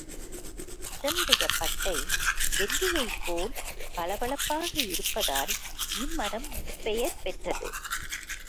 இதனுடைய பட்டை வெள்ளியைப்போல் பளபளப்பாக இருப்பதால் இம்மரம் இப்பெயர் பெற்றது.